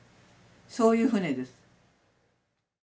そういう船です。